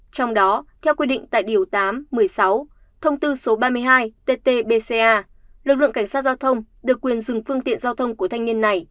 trong đó theo quy định tại điều tám một mươi sáu thông tư số ba mươi hai tt bca lực lượng cảnh sát giao thông được quyền dừng phương tiện giao thông của thanh niên này